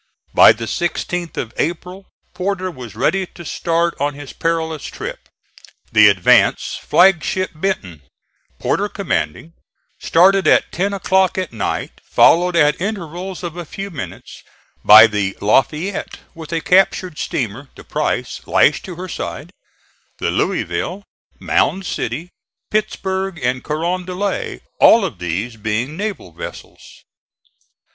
By the 16th of April Porter was ready to start on his perilous trip. The advance, flagship Benton, Porter commanding, started at ten o'clock at night, followed at intervals of a few minutes by the Lafayette with a captured steamer, the Price, lashed to her side, the Louisville, Mound City, Pittsburgh and Carondelet all of these being naval vessels.